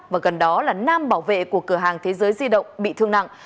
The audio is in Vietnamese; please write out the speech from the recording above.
và gần đó là nam bảo vệ của cửa hàng thế giới di động bị thương nặng